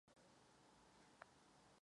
Lokalita je významná především kvůli květeně.